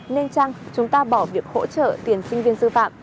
nên chăng chúng ta bỏ việc hỗ trợ tiền sinh viên sư phạm